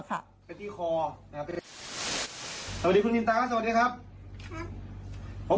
สวัสดีคุณมินตราสวัสดีครับครับ